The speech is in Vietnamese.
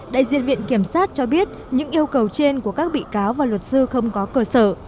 đại diện viện kiểm sát cho biết những yêu cầu trên của các bị cáo và luật sư không có cơ sở